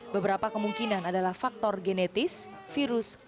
beberapa kemungkinan adalah faktor genetis virus dan penyakit yang terjadi di dalam tubuhnya